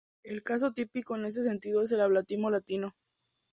El caso típico en este sentido es el ablativo latino.